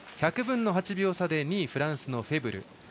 １００分の８秒差で２位、フランスのフェブル。